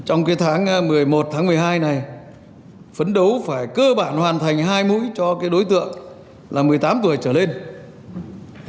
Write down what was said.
trong tháng một mươi một tháng một mươi hai này phấn đấu phải cơ bản hoàn thành hai mũi cho đối tượng